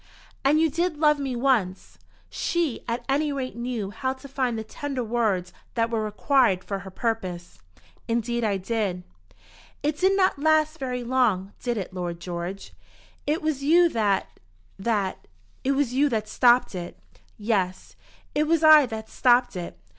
"And you did love me once?" She at any rate knew how to find the tender words that were required for her purpose. "Indeed I did." "It did not last very long; did it, Lord George?" "It was you that that . It was you that stopped it." "Yes, it was I that stopped it.